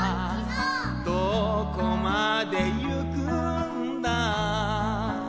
「どこまでゆくんだ」